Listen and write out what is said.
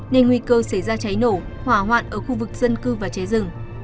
nên nguy cơ xảy ra cháy nổ hỏa hoạn ở khu vực dân cư và cháy rừng